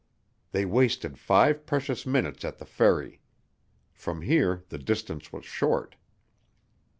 They wasted five precious minutes at the Ferry. From here the distance was short.